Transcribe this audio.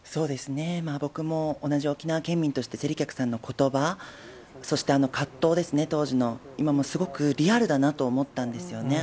僕も同じ沖縄県民として、勢理客さんのことば、そしてあの葛藤ですね、当時の、今もすごくリアルだなと思ったんですよね。